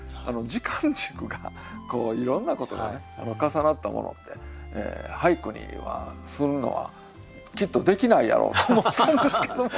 時間軸がいろんなことがね重なったものって俳句にするのはきっとできないやろうと思ったんですけども。